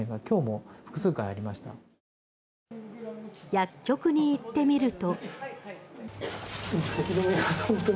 薬局に行ってみると。